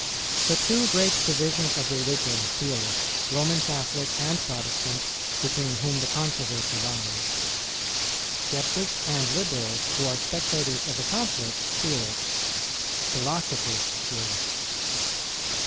The two great divisions of religion feel it, Roman Catholic and Protestant, between whom the controversy lies; sceptics and liberals, who are spectators of the conflict, feel it; philosophers feel it.